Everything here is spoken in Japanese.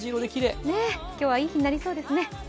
今日は、いい日になりそうですね。